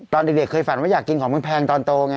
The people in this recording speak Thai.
ตอนเด็กเคยฝันว่าอยากกินของแพงตอนโตไง